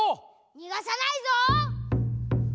にがさないぞ！